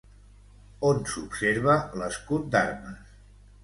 On s'observa l'escut d'armes?